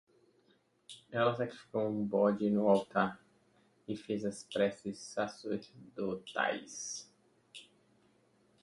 Ela sacrificou um bode no altar e fez as preces sacerdotais